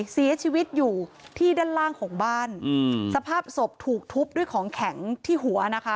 เสียชีวิตอยู่ที่ด้านล่างของบ้านอืมสภาพศพถูกทุบด้วยของแข็งที่หัวนะคะ